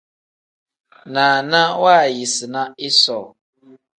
Naana waayisina isoo.